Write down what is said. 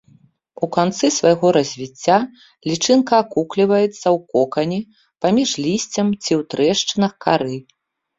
У канцы свайго развіцця лічынка акукліваецца ў кокане паміж лісцем ці ў трэшчынах кары.